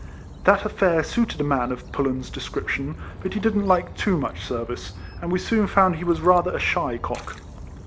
That alFair suited a man of Pullen's de scription, for he didn't like too much service ; and we soon found he was rather a shy cock.